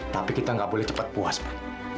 tapi kita nggak boleh cepat puas pak